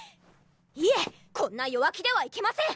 いえこんな弱気ではいけません！